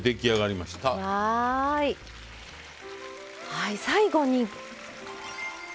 はい最後に。